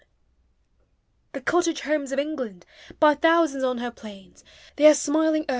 The cottage Homes of England! By thousands on her plains, THK HOMES OF ENGLAND.